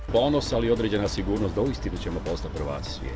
bonus tapi ada kemampuan yang tertentu kita akan menjadi perempuan terbaik di dunia